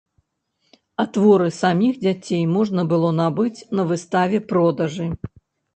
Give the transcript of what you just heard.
А творы саміх дзяцей можна было набыць на выставе-продажы.